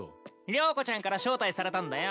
了子ちゃんから招待されたんだよ。